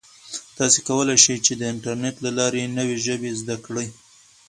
تاسو کولای شئ چې د انټرنیټ له لارې نوې ژبې زده کړئ.